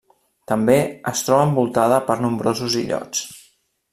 També es troba envoltada per nombrosos illots.